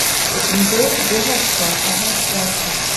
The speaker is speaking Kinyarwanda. Njye guhakwa aho nshaka